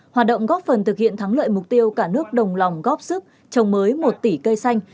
hoạt động góp phần thực hiện thắng lợi mục tiêu cả nước đồng lòng góp sức trồng mới một tỷ cây xanh